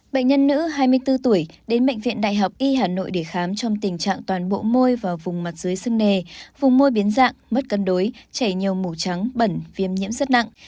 bệnh nhân nữ hai mươi bốn tuổi đến bệnh viện đại học y hà nội để khám trong tình trạng toàn bộ môi vào vùng mặt dưới sưng nề vùng môi biến dạng mất cân đối chảy nhiều màu trắng bẩn viêm nhiễm rất nặng